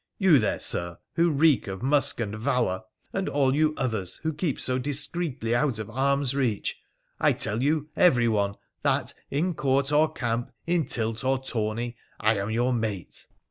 you there, Sir, who reek of musk and valour ! and all you others, who keep so discreetly out of arms reach! — I tell you everyone that, in court or camp, in tilt or tourney, I am your mate